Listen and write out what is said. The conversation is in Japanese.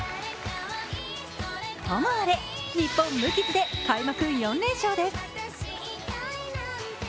ともあれ、日本、無傷で開幕４連勝です。